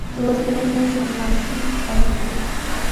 لوستې میندې د ماشوم هوساینه زیاتوي.